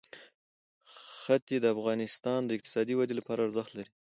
ښتې د افغانستان د اقتصادي ودې لپاره ارزښت لري.